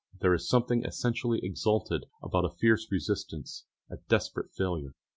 There is something essentially exalted about a fierce resistance, a desperate failure.